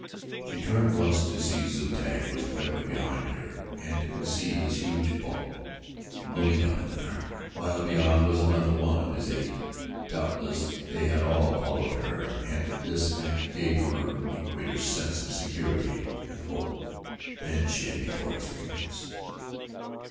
She turned once to see that Zu tag was directly behind her and could see his huge bulk looming up in the dark, while beyond was another one of his eight. Doubtless they had all followed her and this fact gave her a greater sense of security and hope than she had before experienced.